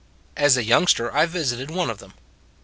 As a youngster I visited one of them.